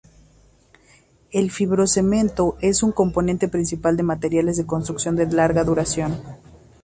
El fibrocemento es un componente principal de materiales de construcción de larga duración.